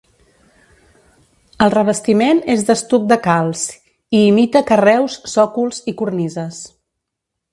El revestiment és d'estuc de calç i imita carreus, sòcols i cornises.